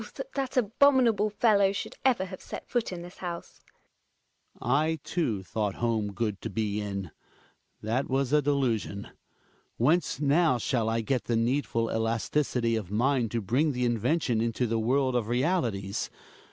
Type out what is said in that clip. that that abominable fellow should ever have set foot in this house ! Hjalmar. I too thought home good to be in. That was a delusion. Whence now shall I get the needful elasticity of mind to bring the invention into the world of realities.